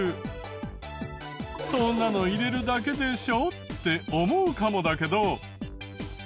そんなの入れるだけでしょって思うかもだけど。